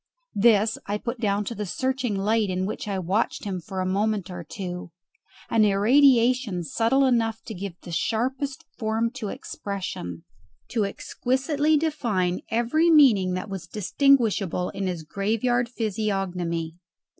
This I put down to the searching light in which I watched him for a moment or two, an irradiation subtle enough to give the sharpest form to expression, to exquisitely define every meaning that was distinguishable in his graveyard physiognomy.